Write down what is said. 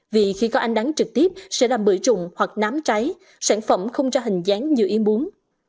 vì khi có ánh đắng trực tiếp sẽ làm bưởi rụng hoặc nám trái sản phẩm không cho hình dáng như ý muốn